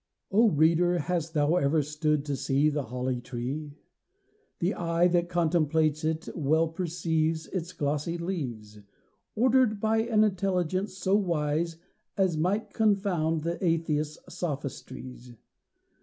O reader! hast thou ever stood to see The Holly tree? The eye that contemplates it, well perceives Its glossy leaves, Ordered by an intelligence so wise As might confound the atheist's sophistries.